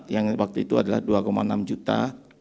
yang waktu itu adalah dua enam juta